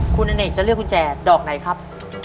คุณอเนกจะเลือกกุญแจดอกไหนครับ